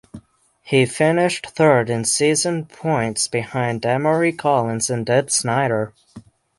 He finished third in season points behind Emory Collins and Deb Snyder.